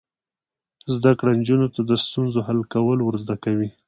زده کړه نجونو ته د ستونزو حل کول ور زده کوي.